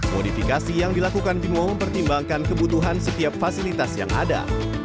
modifikasi yang dilakukan bimo mempertimbangkan kebutuhan setiap fasilitas yang ada